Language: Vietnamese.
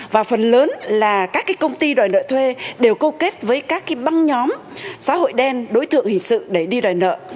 và phần lớn là các công ty đòi nợ thuê đều câu kết với các băng nhóm xã hội đen đối tượng hình sự để đi đòi nợ